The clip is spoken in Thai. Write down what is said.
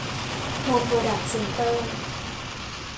โฮม โปรดักส์ เซ็นเตอร์